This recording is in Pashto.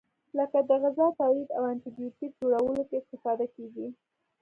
لکه د غذا تولید او انټي بیوټیک جوړولو کې استفاده کیږي.